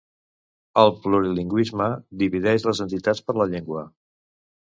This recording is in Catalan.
El plurilingüisme divideix les entitats per la llengua.